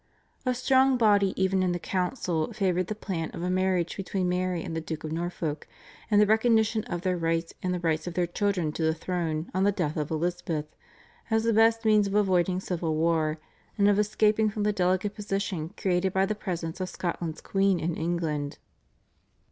A strong body even in the council favoured the plan of a marriage between Mary and the Duke of Norfolk, and the recognition of their rights and the rights of their children to the throne on the death of Elizabeth, as the best means of avoiding civil war and of escaping from the delicate position created by the presence of Scotland's Queen in England.